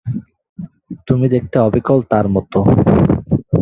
তুমি দেখতে অবিকল তার মতো।